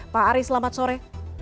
pak ari selamat sore